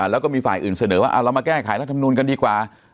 แล้วก็มีฝ่ายอื่นเสนอว่าเรามาแก้ไขรัฐมนูลกันดีกว่า